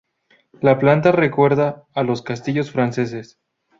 La planta recuerda a los castillos franceses.